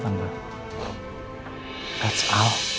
tuhan tuhan tuhan tuhan